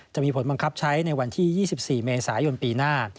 จะมีผลบังคับใช้ในวันที่๒๔เมษายนปีหน้า